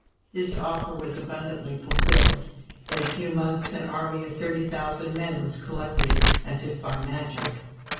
This offer was abundantly fulfilled. In a few months an army of 30,000 men was collected, as if by magic.